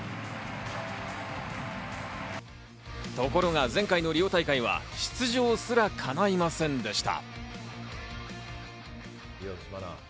ところが前回のリオ大会は、出場すらかないませんでした。